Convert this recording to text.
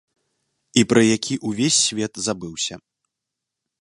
І пра які ўвесь свет забыўся.